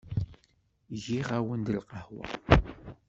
Giɣ-awen-d lqahwa.